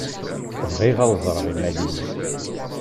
Bɣiɣ ad ẓreɣ imal-iw.